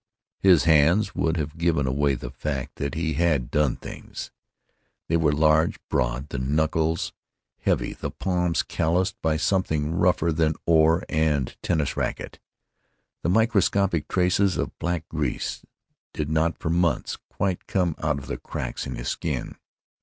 His hands would have given away the fact that he had done things. They were large, broad; the knuckles heavy; the palms calloused by something rougher than oar and tennis racket. The microscopic traces of black grease did not for months quite come out of the cracks in his skin.